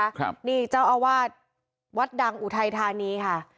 ครับนี่เจ้าอาวาสวัดดังอุทัยธานีค่ะ